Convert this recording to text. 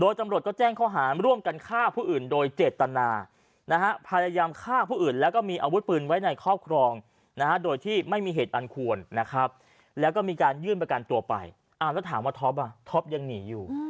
ยื่นประการตัวไปอาหารจะถามว่าท็อปอ่ะท็อปยังหนีอยู่